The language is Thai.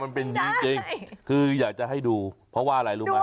แต่มันเป็นจริงคืออยากจะให้ดูเพราะว่าอะไรรู้ไหม